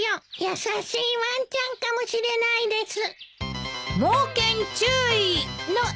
優しいワンちゃんかもしれないです。